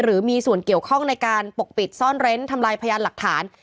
หรือมีส่วนเกี่ยวข้องในการปกปิดซ่อนเร้นทำลายพยานหลักฐาน